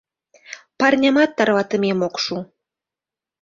Парнямат тарватымем ок шу.